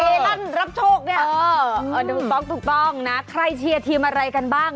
ตันรับโชคเนี่ยเออถูกต้องถูกต้องนะใครเชียร์ทีมอะไรกันบ้าง